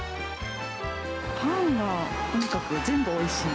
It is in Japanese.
パンがとにかく全部おいしい。